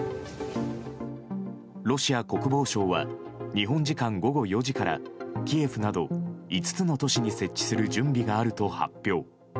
ロシア国防省は日本時間午後４時からキエフなど日本時間午後４時からキエフなど５つの都市に設置する準備があると発表。